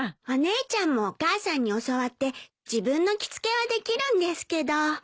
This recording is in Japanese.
お姉ちゃんもお母さんに教わって自分の着付けはできるんですけど。